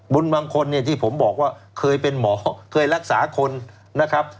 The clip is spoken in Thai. บางคนเนี่ยที่ผมบอกว่าเคยเป็นหมอเคยรักษาคนนะครับ